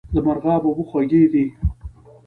د مرغاب اوبه خوږې دي